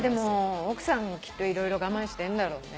奥さんきっと色々我慢してんだろうね。